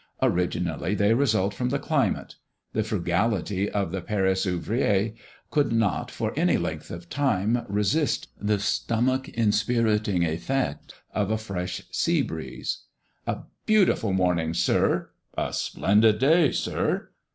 Originally they result from the climate. The frugality of the Paris ouvrier could not, for any length of time, resist the stomach inspiriting effect of a fresh sea breeze. "A beautiful morning, Sir." "A splendid day, Sir."